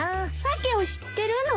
訳を知ってるの？